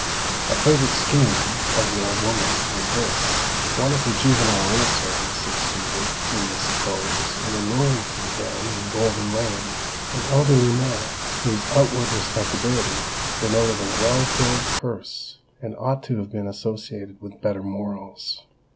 A favourite scheme of the old woman's was this:—One of her juvenile emissaries succeeded, we will suppose, in alluring to the den in Golden Lane an elderly man whose outward respectability denoted a well filled purse, and ought to have been associated with better morals.